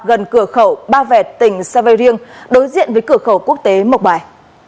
gần cửa khẩu ba vẹt tỉnh sa vê riêng đối diện với cửa khẩu quốc tế mộc bài